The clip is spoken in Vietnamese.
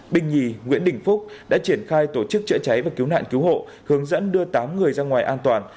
binh nhì nguyễn đình phúc đã triển khai tổ chức chữa cháy và cứu nạn cứu hộ hướng dẫn đưa tám người ra ngoài an toàn